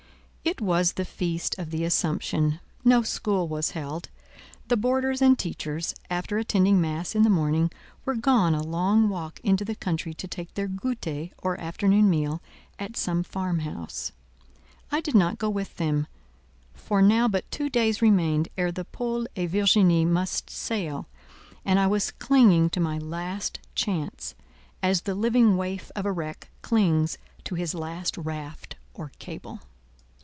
It was the Feast of the Assumption; no school was held. The boarders and teachers, after attending mass in the morning, were gone a long walk into the country to take their goûter, or afternoon meal, at some farm house. I did not go with them, for now but two days remained ere the Paul et Virginie must sail, and I was clinging to my last chance, as the living waif of a wreck clings to his last raft or cable.